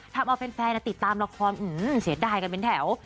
ถ้ามาเป็นแฟนแล้วติดตามละครเสียดายกันเป็นแถว